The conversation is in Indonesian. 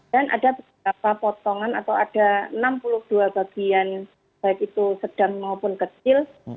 dan ada berapa potongan atau ada enam puluh dua bagian baik itu sedang maupun kecil